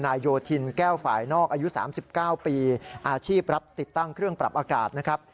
โยธินแก้วฝ่ายนอกอายุ๓๙ปีอาชีพรับติดตั้งเครื่องปรับอากาศนะครับ